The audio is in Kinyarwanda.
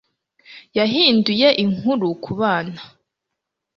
yahinduye inkuru kubana